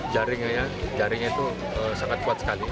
jaringnya itu sangat kuat sekali